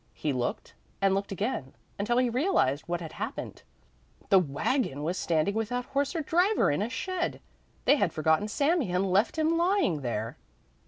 He looked, and looked again, until he realized what had happened. The wagon was standing without horse or driver in a shed; they had forgotten Sami and left him lying there.